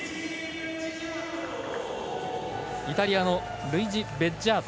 イタリアのルイジ・ベッジャート。